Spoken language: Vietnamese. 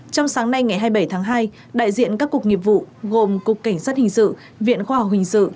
trong sáng nay ngày hai mươi bảy tháng hai đại diện các cục nghiệp vụ gồm cục cảnh sát hình sự viện khoa học hình sự